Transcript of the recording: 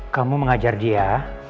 kamu mengajar dia